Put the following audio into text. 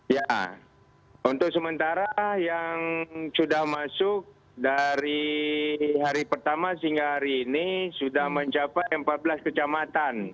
ya untuk sementara yang sudah masuk dari hari pertama hingga hari ini sudah mencapai empat belas kecamatan